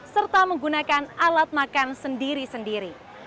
serta menggunakan alat makan sendiri sendiri